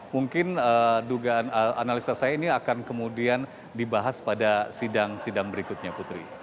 mungkin dugaan analisa saya ini akan kemudian dibahas pada sidang sidang berikutnya putri